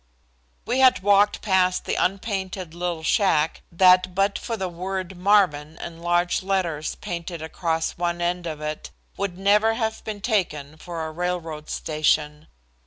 We had walked past the unpainted little shack that but for the word "Marvin" in large letters painted across one end of it would never have been taken for a railroad station.